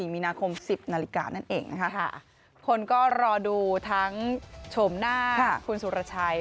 มีนาคม๑๐นาฬิกานั่นเองนะคะคนก็รอดูทั้งชมหน้าคุณสุรชัย